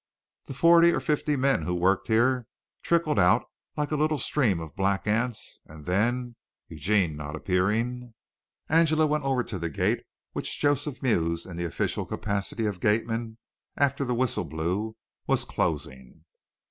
The forty or fifty men who worked here trickled out like a little stream of black ants, and then, Eugene not appearing, Angela went over to the gate which Joseph Mews in the official capacity of gateman, after the whistle blew, was closing.